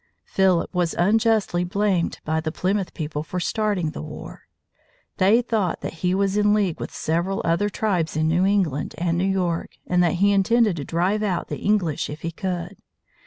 Philip was unjustly blamed by the Plymouth people for starting the war. They thought that he was in league with several other tribes in New England and New York, and that he intended to drive out the English if he could.